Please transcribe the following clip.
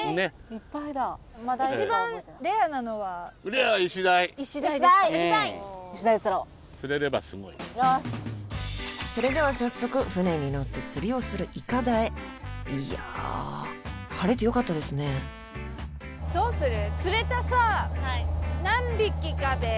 いっぱいだレアはイシダイを釣ろう釣れればすごいそれでは早速船に乗って釣りをする筏へいや晴れてよかったですねどうする？